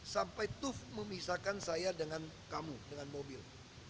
sampai tuf memisahkan saya dengan kamu dengan mobil